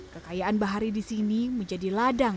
kekayaan bahari disini menjadi ladang